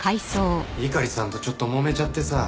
猪狩さんとちょっともめちゃってさあ。